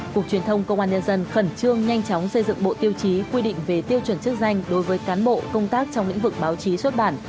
cục truyền thông công an nhân dân khẩn trương nhanh chóng xây dựng bộ tiêu chí quy định về tiêu chuẩn chức danh đối với cán bộ công tác trong lĩnh vực báo chí xuất bản